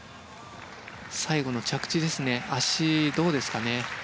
最後の着地の足はどうですかね。